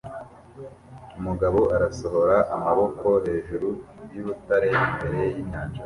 Umugabo arasohora amaboko hejuru y'urutare imbere y'inyanja